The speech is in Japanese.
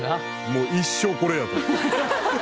もう一生これやと。